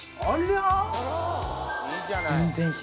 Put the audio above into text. いいじゃない。